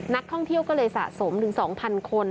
นักท่องเที่ยวก็เลยสะสมถึง๒๐๐คน